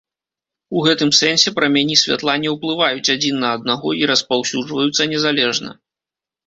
У гэтым сэнсе прамяні святла не ўплываюць адзін на аднаго і распаўсюджваюцца незалежна.